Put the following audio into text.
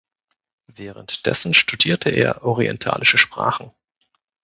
Währenddessen studierte er orientalische Sprachen.